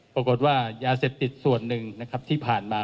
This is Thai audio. ปรากฏว่ายาเสพติดส่วนหนึ่งนะครับที่ผ่านมา